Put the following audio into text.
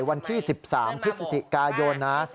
วันที่๑๓พฤศจิกายนนะ